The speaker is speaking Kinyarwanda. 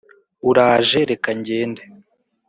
Uraje reka ngende